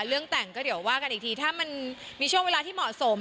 เรื่องแต่งก็เดี๋ยวว่ากันอีกทีถ้ามันมีช่วงเวลาที่เหมาะสม